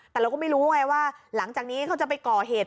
แต่เราก็ไม่รู้ไงว่าหลังจากนี้เขาจะไปก่อเหตุ